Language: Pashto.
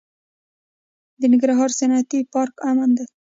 د ننګرهار صنعتي پارک امن دی؟